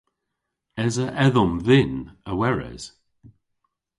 Esa edhom dhyn a weres?